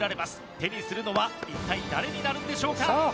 手にするのは一体誰になるんでしょうか？